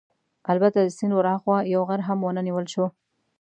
البته د سیند ورهاخوا یو غر هم ونه نیول شو.